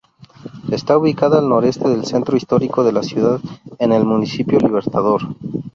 Está ubicada al noroeste del centro histórico de la ciudad en el Municipio Libertador.